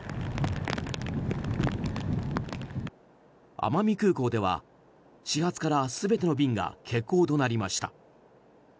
奄美空港では始発から全ての便が欠航となりました。